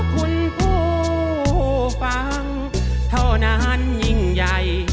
คุณผู้ฟังเท่านั้นยิ่งใหญ่